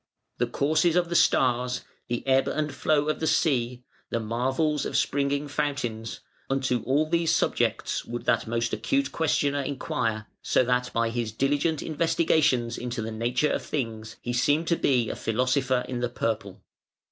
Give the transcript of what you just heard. The courses of the stars, the ebb and flow of the sea, the marvels of springing fountains, nto all these subjects would that most acute questioner inquire, so that by his diligent investigations into the nature of things, he seemed to be a philosopher in the purple".